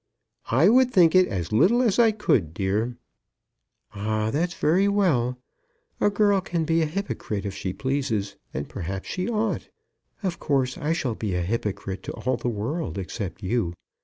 "I would think it as little as I could, dear." "Ah, that's very well. A girl can be a hypocrite if she pleases, and perhaps she ought. Of course I shall be a hypocrite to all the world except you.